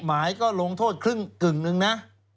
หมายก็ลงโทษครึ่งกึ่งหนึ่งนะ